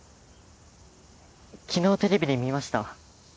昨日テレビで見ました。